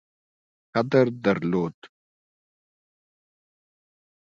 قدر درلود.